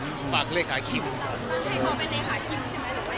ตั้งให้เขาเป็นเลขาคิมนะครับ